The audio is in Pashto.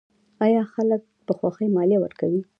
آیا خلک په خوښۍ مالیه ورکوي؟